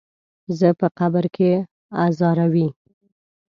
زه په قبر کې ازاروي.